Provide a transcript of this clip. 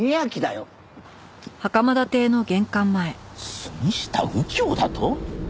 杉下右京だと？